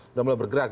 sudah mulai bergerak